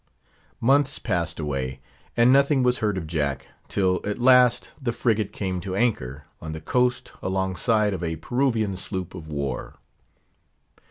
Months passed away, and nothing was heard of Jack; till at last, the frigate came to anchor on the coast, alongside of a Peruvian sloop of war.